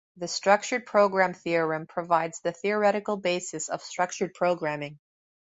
The structured program theorem provides the theoretical basis of structured programming.